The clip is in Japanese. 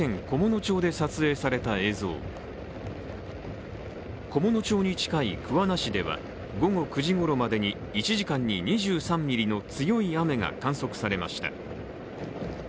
菰野町に近い桑名市では午後９時ごろまでに１時間に２３ミリの強い雨が観測されました。